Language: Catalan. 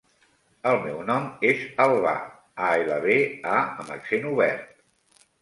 El meu nom és Albà: a, ela, be, a amb accent obert.